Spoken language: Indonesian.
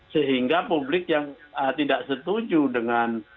sehingga publik yang tidak setuju dengan